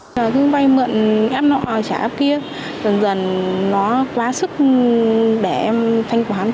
thương vay mượn em nọ trả kia dần dần nó quá sức để em thanh quán